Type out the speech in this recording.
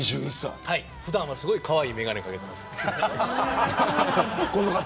普段は、すごいかわいい眼鏡をかけてます。